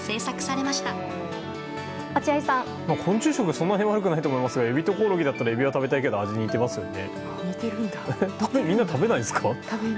そんなに悪くないと思いますがエビとコオロギだったらエビを食べたいけど味似てますよね。